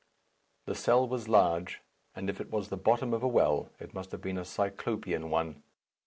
The cell was large, and if it was the bottom of a well, it must have been a cyclopean one.